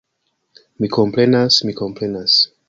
Mi komprenas, mi komprenas!